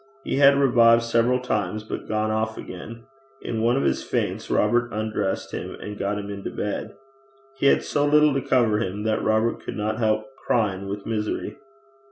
He had revived several times, but gone off again. In one of his faints, Robert undressed him and got him into bed. He had so little to cover him, that Robert could not help crying with misery.